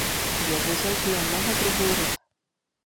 V jezeře žije mnoho druhů ryb.